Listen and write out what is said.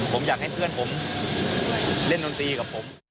ผมอยากให้เพื่อนผมเล่นดนตรีกับผม